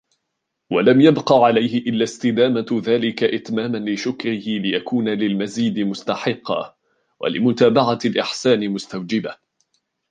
وَلَمْ يَبْقَ عَلَيْهِ إلَّا اسْتِدَامَةُ ذَلِكَ إتْمَامًا لِشُكْرِهِ لِيَكُونَ لِلْمَزِيدِ مُسْتَحِقًّا وَلِمُتَابَعَةِ الْإِحْسَانِ مُسْتَوْجِبًا